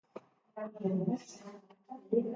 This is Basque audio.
Halere, bi lagunek hobera egin dute.